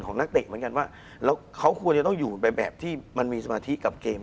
คุณผู้ชมบางท่าอาจจะไม่เข้าใจที่พิเตียร์สาร